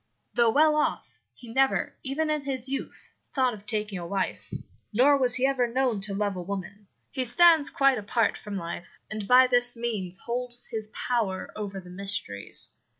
"'Though well off, he never, even in his youth, thought of taking a wife; nor was he ever known to love a woman. He stands quite apart from life, and by this means holds his power over the mysteries.